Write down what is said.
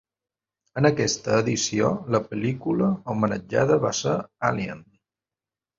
En aquesta edició la pel·lícula homenatjada va ser Alien.